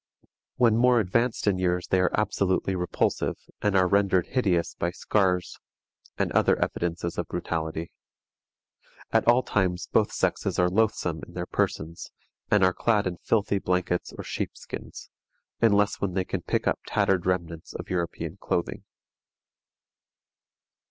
When more advanced in years they are absolutely repulsive, and are rendered hideous by scars and other evidences of brutality. At all times both sexes are loathsome in their persons, and are clad in filthy blankets or sheep skins, unless when they can pick up tattered remnants of European clothing.